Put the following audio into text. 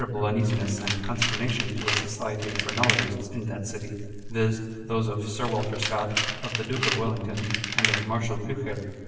Both these were fatal symptoms for the uneasiness and consternation to a Society of Phrenologists in that city, viz., those of Sir Walter Scott, of the Duke of Wellington, and of Marshal Blucher.